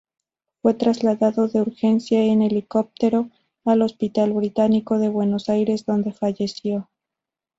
Fue trasladado de urgencia en helicóptero al Hospital Británico de Buenos Aires donde falleció.